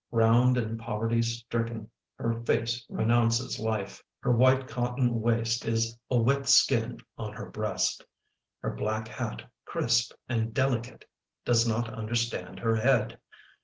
Round and poverty stricken Her face renounces life. Her white cotton waist is a wet skin on her breast: Her black hat, crisp and delicate, Does not understand her head.